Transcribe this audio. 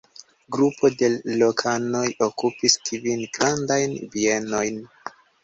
Grupo de lokanoj okupis kvin grandajn bienojn.